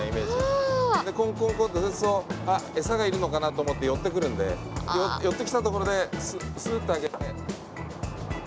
すると餌がいるのかなと思って寄ってくるんで寄ってきたところでスッと上げて。